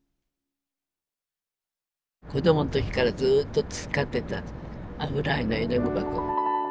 子どもの時からずっと使ってた油絵の絵の具箱。